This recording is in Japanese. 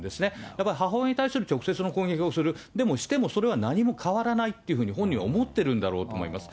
だから母親に対する直接の攻撃をする、でもしても、それは何も変わらないというふうに本人は思ってるんだろうと思います。